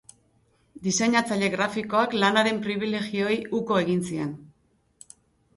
Diseinatzaile grafikoak lanaren pribilegioei uko egin zien.